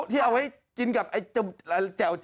ที่เอาไว้กินกับไอ้แจ่ว